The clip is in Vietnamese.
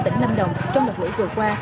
tỉnh lâm đồng trong đợt lưỡi vừa qua